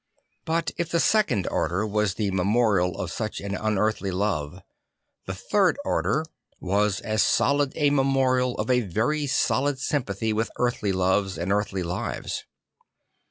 But if the Second Order was the memorial of such an unearthly love, the Third Order ".as as I 13 0 St. Francis of Assisi solid a memorial of a very solid sympathy with earthly loves and earthly lives.